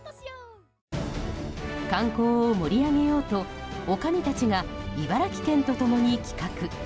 観光を盛り上げようと女将たちが茨城県と共に企画。